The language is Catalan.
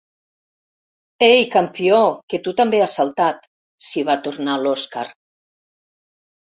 Ei, campió, que tu també has saltat —s'hi va tornar l'Oskar.